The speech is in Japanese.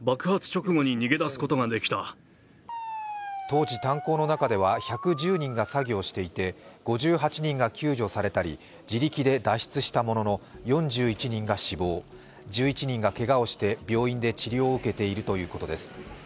当時、炭鉱の中では１１０人が作業していて５８人が救助されたり自力で脱出したものの４１人が死亡１１人がけがをして病院で治療を受けているということです。